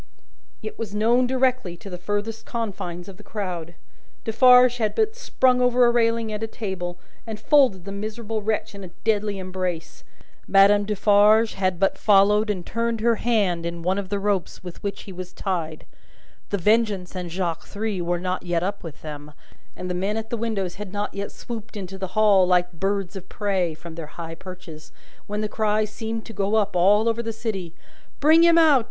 It was known directly, to the furthest confines of the crowd. Defarge had but sprung over a railing and a table, and folded the miserable wretch in a deadly embrace Madame Defarge had but followed and turned her hand in one of the ropes with which he was tied The Vengeance and Jacques Three were not yet up with them, and the men at the windows had not yet swooped into the Hall, like birds of prey from their high perches when the cry seemed to go up, all over the city, "Bring him out!